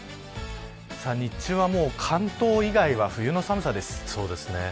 日中は関東以外は冬の寒さです。